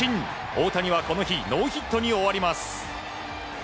大谷はこの日ノーヒットに終わります。